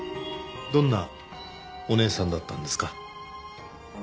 どんなお姉さんだったんですか？